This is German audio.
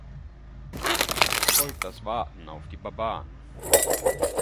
Es folgt das Warten auf die Barbaren.